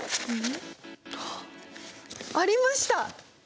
ありました！